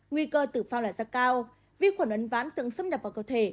nguy cơ tử phong là rất cao vì khuẩn uấn ván tưởng xâm nhập vào cơ thể